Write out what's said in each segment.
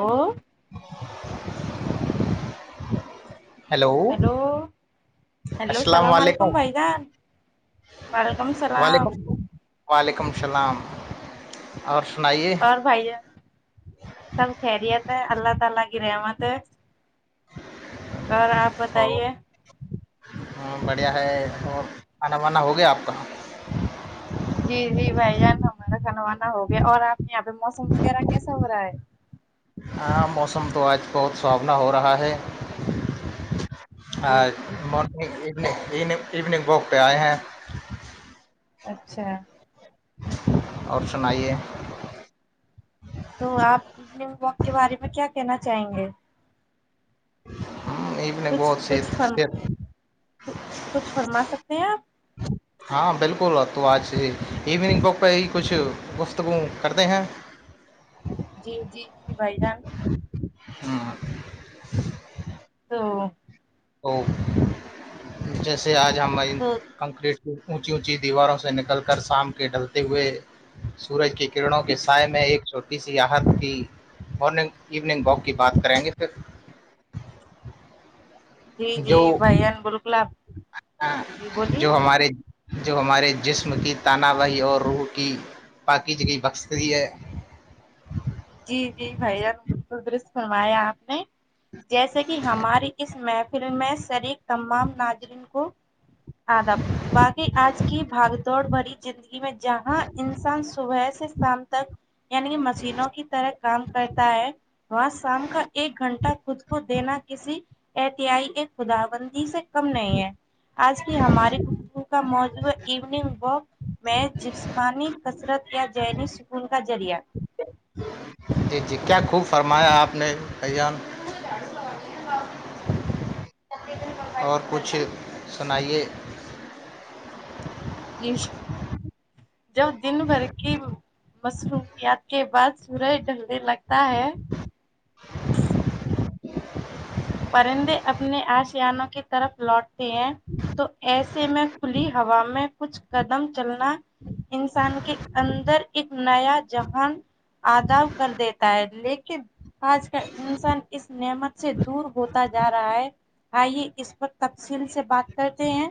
ہاں [unintelligible] hello hello سلام علیکم بھائی جان وعلیکم السلام وعلیکم وعلیکم السلام اور سنائیے اور بھائی جان سب خیریت ہے اللہ تعالی کی رحمت ہے اور آپ بتائیے ہاں بڑھیا ہے اور کھانا وانا ہو گیا آپ کا جی جی بھائی جان ہمارا کھانا وانا ہو گیا اور آپ یہاں پہ موسم وغیرہ کیسا ہو رہا ہے عام موسم تو اج بہت سہاونا ہو رہا ہے جی ہاں جی مارنگ ایونی ایونی ایوننگ واک پہ آئے ہیں اچھا اور سنائیے تو آپ ایوننگ واک کے بارے میں کیا کہنا چاہیں گے ہ یہ کچھ کچھ فرم کچھ فرما سکتے ہیں آپ ہاں بالکل تو آج ایوننگ واک پہ ہی کچھ گفتگو کرتے ہیں جی جی جی بھائی جان ہاں تو تو جیسے آج ہماری تو کنکریٹ کی اونچی اونچی دیواروں سے نکل کر شام کے ڈلتے ہوئے سورج کی کررنوں کے سائے میں ایک چھٹی سی آحت کی مننگ ایوننگ واک کی بات کریں گے پھر جی جو جی بھائی جان بالکل آپ جی بولیے جو ہمارے جو ہمارے جسم کی تانہ بی اور روح کی پاکیزگی کی بخشگتی ہے جی جی بھائی جان بالکل درست فرمایا آپ نے جیسے کہ ہماری اس محفل میں شریک تمام ناظرین کو آداب باقی آج کی بھاگ دوڑ بھری زندگی میں جہاں انسان صبح سے شام تک یعنی کہ مشینوں کی طرح کام کرتا ہے وہاں شام کا ایک گھنٹہ خود کو دینا کسی احتیاائی ایک خدا بندی سے کم نہیں ہے آج کی ہماریے گفتگو کا موضوع ہے ایوننگ واک میں جسمانی کثرت یا ذہنی سکون کا ذریعہ جی جی کیا خوب فرمایا آپ نے بیان اور کچھ سنائیے جی جب دن بھر کی مصروفیات کے بعد سورج ڈھلنے لگتا ہے پرندے اپنے آشیاانوں کی طرف لوٹتے ہیں تو ایسے میں کھلی ہوا میں کچھ قدم چلنا انسان کے اندر ایک نیا جہان آداؤ کر دیتا ہے لیکن آج کل انسان اس نعمت سے دور ہوتا جا رہا ہے آئیے اس پر تفصیل سے بات کرتے ہیں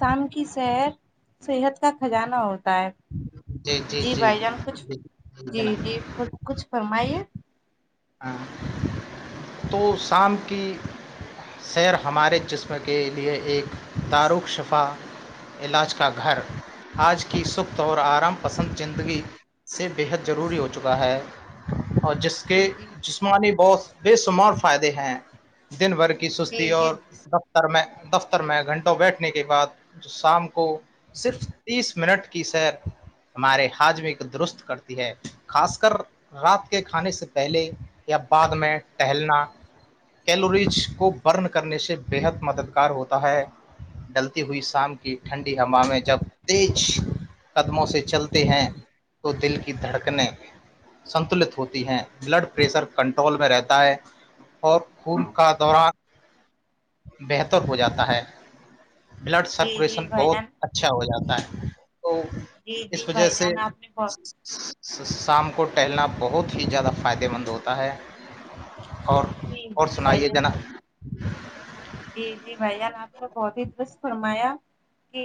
شام کی صحر صحت کا خزانہ ہوتا ہے جی بھائی جان کچھ جی جی جناب جی کچھ فرمائیے تو شام کی سیر ہمارے جسم کے لیے ایک تارق شفا علاج کا گھر آج کی سوخت اور آرام پسند زندگی اس سے بےحد ضروری ہو چکا ہے اور جس کے جی جی جسمانی بہت بے شمار فائدے ہیں دن بھر کی سستی جی اور جی دفتر میں دفتر میں گھنٹوں بیٹھنے کے بعد شام کو صرف تیس منٹ کی سیر ہمارے حاج میں کو درست کرتی ہے خاص کر رات کے کھانے سے پہلے یا بعد میں ٹہلنا کیلوریز کو برن کرنے سے بےحد مددگار ہوتا ہے ڈلتی ہوئی شام کی ٹھنڈی ہوا میں جب تیج قدموں سے چلتے ہیں تو دل کی دھڑکنیں سنتلت ہوتی ہے بلڈ پریشر کنٹرول میں رہتا ہے اور خون کا دوران بہتر ہو جاتا ہے بلڈ جی جی سرکولیشن بھائی بہت جان اچھا ہو جاتا ہے تو جی جی اس وجہ بھائی سے جان آپ نے بہت شام کو ٹہلنا بہت ہی زیادہ فائدے مند ہوتا ہے اور جی اور جی بھائی سنائیے جان جناب جی جی بھائی جان اپ نے بہت ہی درست فرمایا کہ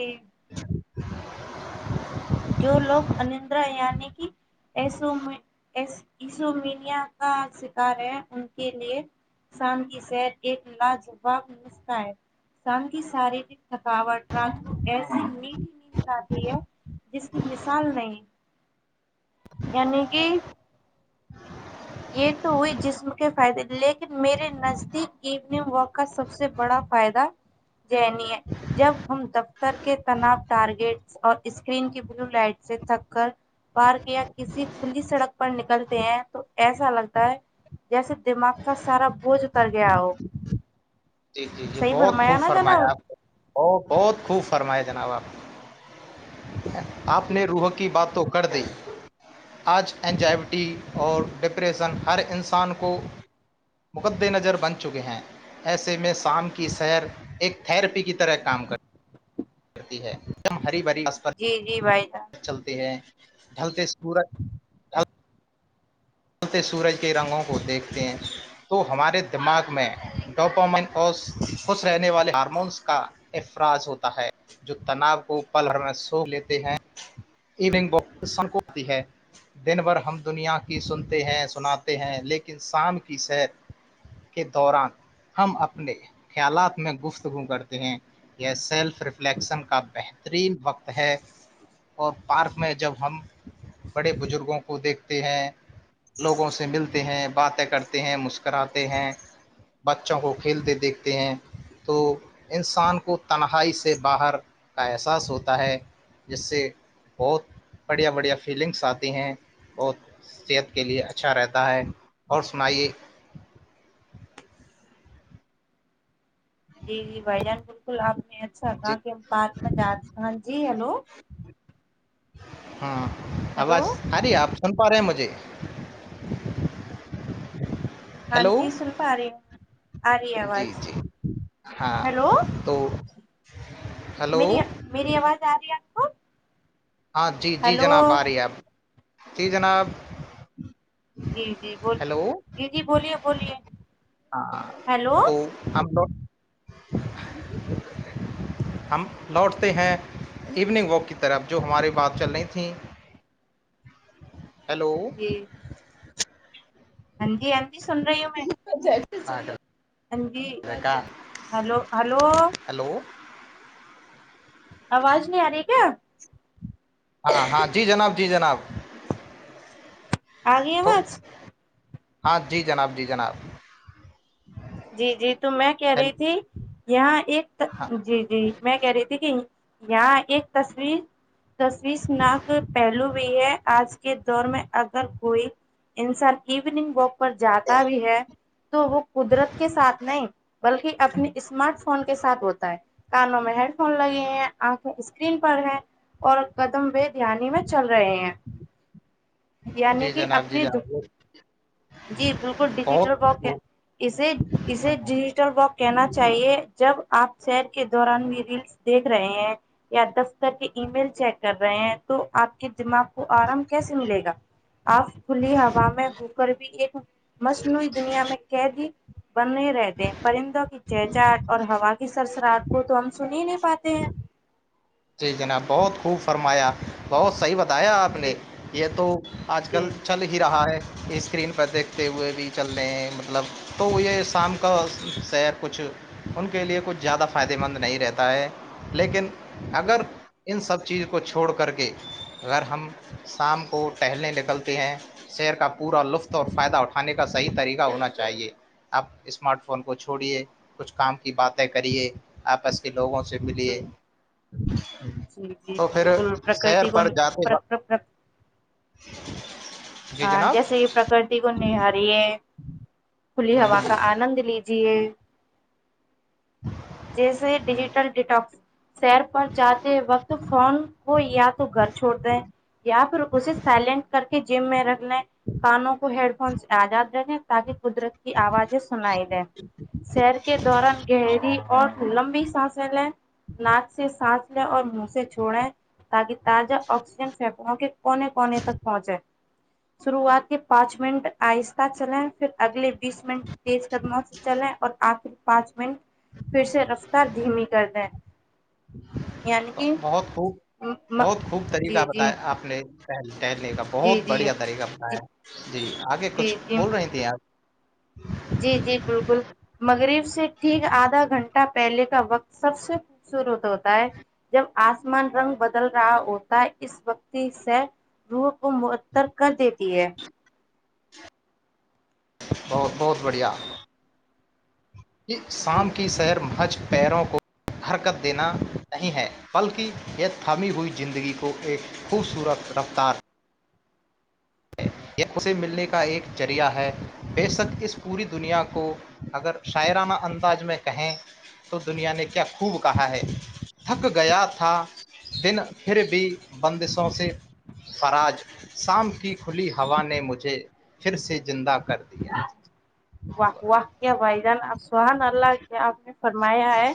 جو لوگ انندرا یعنی کہ ایسوں میں ایس ای سو میڈیا کا شکار ہے ان کے لیے شام کی شیر ایک لاجواب نسخہ ہے شام کی سارے تھکاوٹ رات کو ایسی نیند اتی ہے جس کی مثال نہیں یعنی کہ یہ تو ہوئی جسم کے فائدے لے میرے نزدیک اینٹ واک کا سب سے بڑا فائدہ جنی ہے جب ہم دفتر کے تناؤ ٹارگیٹس اور اس کریم کی بلو لائٹ سے تھک کر پارک یا کسی کھلی سڑک پر نکلتے ہیں تو ایسے ایسا لگتا ہے جیسے دماغ کا سارا بوجھ اتر گیا ہو جی جی جی صحیح بہت خوب نا فرمایا جناب اپ نہ بہو بہت خوب فرماائے جناب اپ اپ جی نے روہک کی بات تو کر دی اج انجائبٹی جی اور ڈب کی ریسن ہر انسان کو مقد نظر بن چکے ہے ایسے میں شام کی سیر ایک تھیراپی کی طرح کام کرت کرتی ہے دم ہری بھری اسسپر جی جی بھائی جان چلتے ہے ڈھلتے سورج ہولتے سورج کے رنگوں کو دیکھتے ہیں تو ہمارے دماغ میں ڈوپومن اور خوش رہنے والے ہارمونس کا افراز ہوتا ہے جو تناؤ کو پلھر لسو لیتے ہیں ایوننگ بکس سنکتی ہے دن بھر ہم دنیا کی سنتے تے ہے سناتے ہے لیکن شام کی سیر کے دوران ہم اپنے خیالات میں گفتگو کرتے ہے یہ سیلف ریفلیکسن کا بہترین وقت ہے اور پارک میں جب ہم بڑے بزرگوں کو دیکھتے ہے لوگوں سے ملتے ہیں باتیں کرتے ہیں مسکراتے ہیں بچوں کو کھیلتے دیکھتے ہے تو انسان کو تنہائی سے باہر کا احساس ہوتا ہے جس سے بہت بڑھیا بڑھیا فیلنگس اتی ہے اور صحت کے لیے اچھا رہتا ہے اور سنائیے جی جی بھائی جان بالکل آپ نے اچھا جی کہا کہ ہم پارک میں جات ہاں جی ہیلو ہاں ہیلو اواز اری اپ سن پا رہے ہے مجھے [inaudible] ہاں ہیلو جی سن پا رہی ہوں اری اواز جی جی ہاں ہیلو تو ہیلو میری میری آواز آ رہی ہے آپ کو ہاں جی جی ہیلو جناب آ رہی ہے آپ جی جناب جی جی بو ہیلو جی جی بولیے بولیے ہاں ہیلو تو ہم تو ہم لوٹتے ہیں ایوننگ واک کی طرف جو ہماری بات چل رہی تھیں ہیلو جی ہاں جی ہاں جی سن رہی ہوں میں [unintelligible] ہاں جی ہاں ہیلو ہیلو ہیلو آواز نہیں آ رہی کیا ہاں ہاں جی جناب جی جناب تو آگےآواز ہاں جی جناب جی جناب جی جی تو میں کہہ رہی تھی یہاں ایک ہاں جی جی میں کہہ رہی تھی دیکھ یہاں ایک تصو تشویشناک پہلو بھی ہے آج کے دور میں اگر کوئی انسان ایوننگ واک پر جاتا بھی ہے تو وہ قدرت کے ساتھ نہیں بلکہ اپنے اسمارٹ فون کے ساتھ ہوتا ہے کانوں میں ہیڈ فون لگے ہیں آنکھیں اسکرین پر ہے اور قدم و دھیانی میں چل رہے ہیں یعنی جی کہ جناب جی اپنے دکھ جناب جی بالکل ڈیجیٹل باک بہت اسے اسے ڈیجیٹل باک کہنا چاہیے جب آپ سیر کے دوران بھی ریلس دیکھ رہے ہیں یا دفتر کے ای میل چیک کر رہے ہیں تو آپ کے دماغ کو آرام کیسے ملے گا آف کھلی ہوا میں ہو کر بھی ایک مصنوعی دنیا میں کہہ دی بن رہ رہتے پرندوں کی چہجہٹ اور ہوا کی سرسرات کو تو ہم سن ہی نہیں پاتے ہیں جی جناب بہت خوب فرمایا بہت صحیح بتایا آپ جی نے یہ تو آج جی کل چل ہی رہا ہے اسکرین پر دیکھتے ہوئے بھی چل رہے ہیں مطلب تو یہ شام کا سیر کچھ ان کے لیے کچھ زیادہ فائدہ مند نہیں رہتا ہے لیکن جی اگر ان سب چیز کو چھوڑ کر کے اگر ہم شام کو ٹہلنے نکلتے ہیں شیر کا پورا لطف اور فائدہ اٹھانے کا صحیح طریقہ ہونا چاہیے اب اسمارٹ فون کو چھوڑیے کچھ کام کی باتیں کریے آپس کے لوگوں سے ملیے جی جی جی تو پھر بالکل شہر پرکرتی کو پر جاتے پرک- وقت پرک- پرک- [unintelligible] جیسے کہ پرکرتی کو نہاریے کھلی ہوں ہوا ہوں کا آنند لی جے جیسے ہوں ڈیجیٹل ڈیٹا سیر پر جاتے وقت فون ہو یا تو گھر چھوڑتے ہیں یا پھر اسے سائلینٹ کر کے جم میں رکھ لیں کانوں کو ہیڈ فون آزاد رکھیں تاکہ قدرت کی آوازیں سنائی لیں سیر کے دوران گہری لمبی سانس ل لیں ناک سے سانس لیں اور منہ سے چھوڑیں تاکہ تو تازہ آکسیجن فف کے کونے کونے تک پہنچے شروعات کے پانچ منٹ آہستہ چلیں پھر اگلے بیس منٹ تیز قدموں سے چلے اور آخر پانچ منٹ پھر سے رفتار دھیمی کر دیں یعنی کہ بہت خوب م- بہت خوب طریقہ جی جی بتایا آپ نے کہلنے کا بہت جی جی بڑھیا طریقہ جی بنایا ہے جی آگے جی کچھ جی بول رہی تھی آپ جی جی بالکل مغرب سے ٹھیک آدھا گھنٹہ پہلے کا وقت سب سے خوبصورت ہوتا ہے جب آسمان رنگ بدل رہا ہوتا ہے اس وقتی سے روح کو معطر کر دیتی ہے بہت بہت بڑھیا کہ جی شام کی سیر مہج پیروں کو حرکت دینا نہیں ہے بلکہ یہ تھامی ہوئی زندگی کو ایک خوبصورت رفتار یہ اسے ملنے کا ایک ذریعہ ہے بے شک اس پوری دنیا کو اگر شاعرانہ انداز میں کہیں تو دنیا نے کیا خوب کہا ہے تھک گیا تھا دن پھر بھی بندشوں سے فراج شام کی کھلی ہوا نے مجھے پھر سے زندہ کر دیا واہ واہ کیا بھائی جان سبہان اللہ کیا آپ نے فرمایا ہے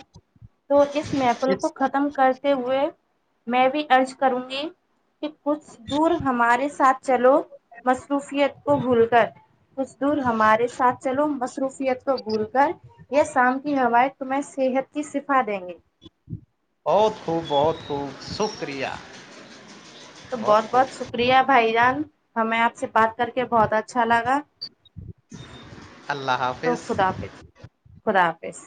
تو اس محفل کو ختم کر تے ہوئے میں بھی ارض کروں گی کہ کچھ دور ہمارے ساتھ چلو مصروفیت کو بھول کر کچھ دور ہمارے ساتھ چلو مصروفیت کو بھول کر یہ شام کی ہوایں تمہیں صحت کی شفا دیں گے بہت خوب بہت خوب شکریہ تو بہت بہت شکریہ بھائی جان ہمیں آپ سے بات کر کے بہت اچھا لگا اللہ حافظ تو خدا حافظ خدا حافظ